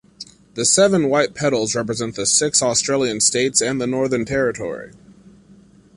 The seven white petals represent the six Australian States and the Northern Territory.